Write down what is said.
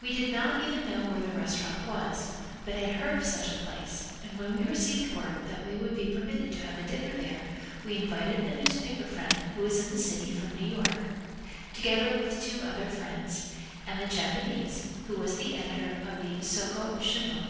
We did not even know where the restaurant was but had heard of such a place, and when we received word that we would be permitted to have a dinner there we invited a newspaper friend who was in the city from New York, together with two other friends and the Japanese, who was the editor of the Soko Shimbun.